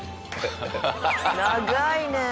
長いね。